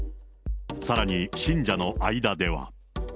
さらに信者の間では。